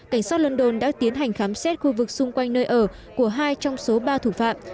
cảnh sát london đã tiến hành khám xét khu vực xung quanh nơi ở của hai trong số ba thủ phạm